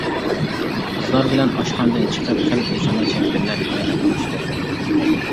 قىزلار بىلەن ئاشخانىدىن چىقىپ خېلى ئۇزۇنغىچە بىللە پىيادە مېڭىشتۇق.